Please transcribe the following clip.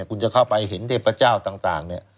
คุณจะเข้าไปเห็นเทพพเจ้าต่าง